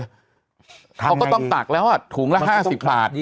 ทำยังไงดีก็ต้องตักแล้วอ่ะถุงละห้าสิบบาท